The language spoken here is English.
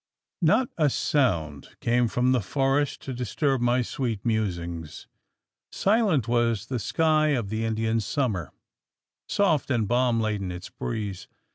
Not a sound came from the forest to disturb my sweet musings. Silent was the sky of the Indian summer soft and balm laden its breeze.